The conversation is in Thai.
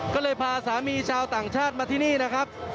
ก็เลยพาสามีชาวต่างชาติมาที่นี่นะครับ